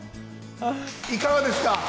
いかがですか？